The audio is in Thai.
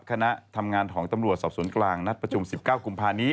คณะทำงานของตำรวจสอบสวนกลางนัดประชุม๑๙กุมภานี้